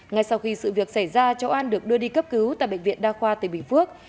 ngay sau khi sự việc xảy ra cháu an được đưa đi cấp cứu tại bệnh viện đa khoa tỉnh bình phước